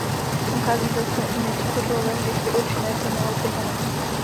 Nachází se zde i menší fotbalové hřiště určené pro malou kopanou.